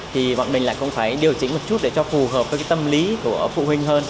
thì bọn mình lại không phải điều chỉnh một chút để cho phù hợp với tâm lý của phụ huynh hơn